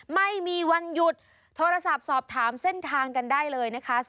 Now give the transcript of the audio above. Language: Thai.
ไม่มีวันหยุดโทรศัพท์สอบถามเส้นทางกันได้เลยนะคะ